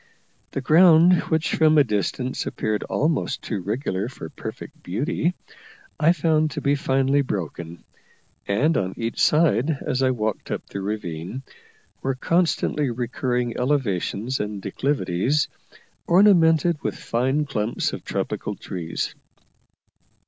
The ground, which from a distance appeared almost too regular for perfect beauty, I found to be finely broken; and on each side, as I walked up the ravine, were constantly recurring elevations and declivities, ornamented with fine clumps of tropical trees.